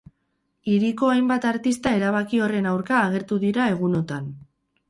Hiriko hainbat artista erabaki horren aurka agertu dira egunotan.